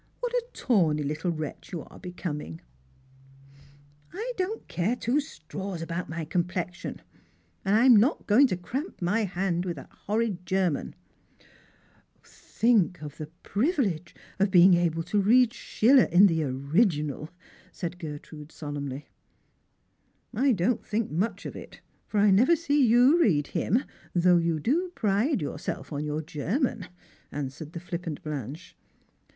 " What a tawny Uttle wretch you are becoming !"" I don't care two straws about my complexion, and I'm not going to cramp my hand with that horrid German !"_" Think of the privilege of being able to read Schiller in the original !" said Gertrude solemnly. " I don't think much of it ; for I never see you read him, though you do pride yourself on your German," answered the flippant Blanche.